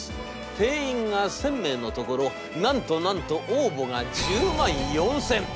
定員が１，０００名のところなんとなんと応募が１０万４，０００。